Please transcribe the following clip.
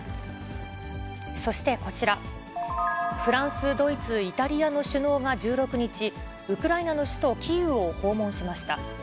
そしてこちら、フランス、ドイツ、イタリアの首脳が１６日、ウクライナの首都キーウを訪問しました。